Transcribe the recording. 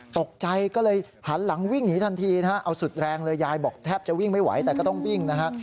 ตกใจก็เลยหันหลังวิ่งหนีทันทีนะฮะเอาสุดแรงเลยยายบอกแทบจะวิ่งไม่ไหวแต่ก็ต้องวิ่งนะฮะ